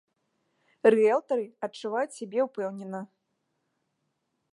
Рыэлтары адчуваюць сябе ўпэўнена.